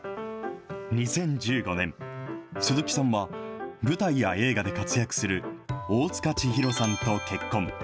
２０１５年、鈴木さんは舞台や映画で活躍する大塚千弘さんと結婚。